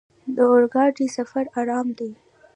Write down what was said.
د اورګاډي سفر ارام دی.